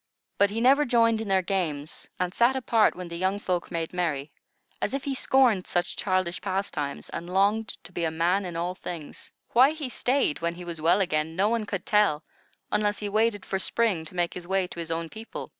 But he never joined in their games, and sat apart when the young folk made merry, as if he scorned such childish pastimes and longed to be a man in all things. Why he stayed when he was well again, no one could tell, unless he waited for spring to make his way to his own people.